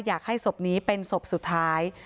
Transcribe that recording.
อยากให้วิการณ์นี้เป็นศพสุดท้าย